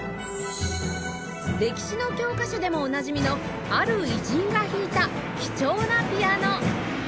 歴史の教科書でもおなじみのある偉人が弾いた貴重なピアノ